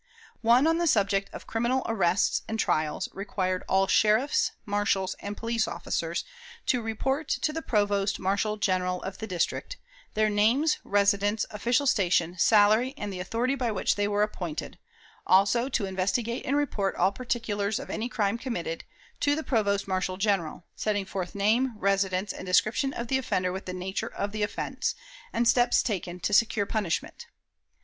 One on the subject of criminal arrests and trials required all sheriffs, marshals, and police officers to report to the Provost Marshal General of the district, their names, residence, official station, salary, and the authority by which they were appointed; also to investigate and report all particulars of any crime committed, to the Provost Marshal General, setting forth name, residence, and description of the offender with the nature of the offense, and steps taken to secure punishment.